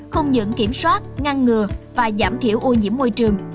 không những kiểm soát ngăn ngừa và giảm thiểu ô nhiễm môi trường